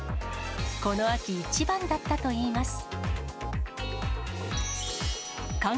この秋一番だったといいます。